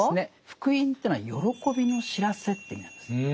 福音というのは喜びの知らせという意味なんです。